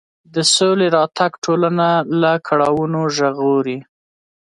د سولې راتګ ټولنه له کړاوونو ژغوري.